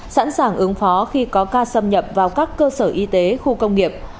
sẵn sàng ứng phó khi có ca xâm nhập vào các cơ sở y tế khu công nghiệp